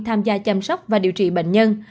tham gia chăm sóc và điều trị bệnh nhân